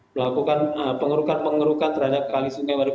melakukan pengurukan pengurukan terhadap kali sungai waduk danau